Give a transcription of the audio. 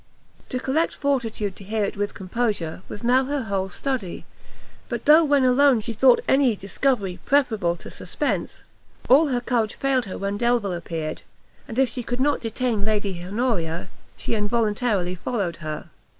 To collect fortitude to hear it with composure, was now her whole study; but though, when alone, she thought any discovery preferable to suspence, all her courage failed her when Delvile appeared, and if she could not detain Lady Honoria, she involuntarily followed her.